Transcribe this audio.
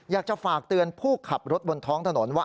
อยากจะฝากเตือนผู้ขับรถบนท้องถนนว่า